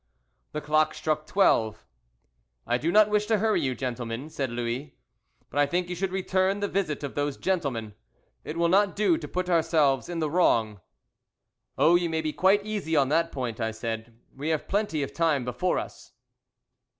The clock struck twelve. "I do not wish to hurry you, gentlemen," said Louis, "but I think you should return the visit of those gentlemen. It will not do to put ourselves in the wrong." "Oh, you may be quite easy on that point," I said, "we have plenty of time before us."